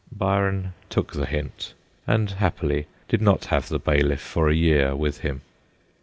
Byron took the hint, and happily did not have the bailiff for a year with him.